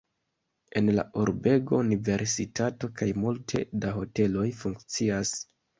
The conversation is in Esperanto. En la urbego universitato kaj multe da hoteloj funkcias.